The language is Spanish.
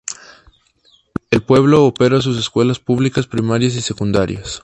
El pueblo opera sus escuelas públicas primarias y secundarias.